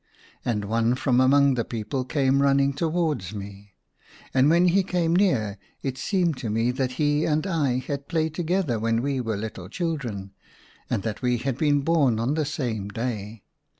And one from among the people came running towards me ; and when he came near it seemed to me that he and I had played together when we were little children, and that we had been born on the same day.